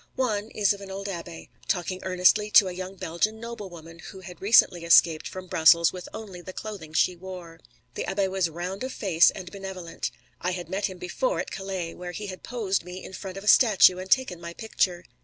One is of an old abbé, talking earnestly to a young Belgian noblewoman who had recently escaped from Brussels with only the clothing she wore. The abbé was round of face and benevolent. I had met him before, at Calais, where he had posed me in front of a statue and taken my picture.